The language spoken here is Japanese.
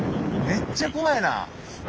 めっちゃ怖いな！